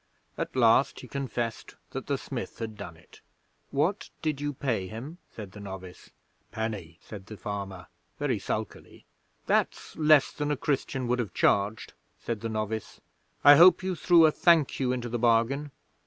At last he confessed that the Smith had done it. "What did you pay him?" said the novice. "Penny," said the farmer, very sulkily. "That's less than a Christian would have charged," said the novice. "I hope you threw a 'Thank you' into the bargain."